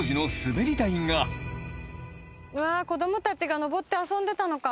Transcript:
子供たちが上って遊んでたのか。